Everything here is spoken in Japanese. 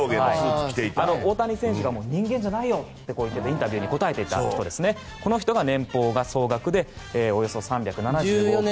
大谷選手は人間じゃないよとインタビューに答えていたこの人の年俸がおよそ３７５億円。